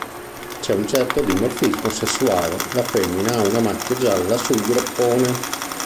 C'è un certo dimorfismo sessuale: la femmina ha una macchia gialla sul groppone.